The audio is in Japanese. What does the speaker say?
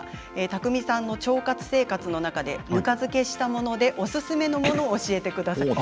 工さんの腸活生活の中でぬか漬けしたものでおすすめのものを教えてください。